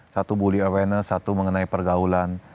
satu bully avenance satu mengenai pergaulan